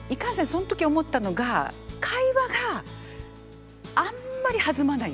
その時思ったのが会話があんまり弾まない。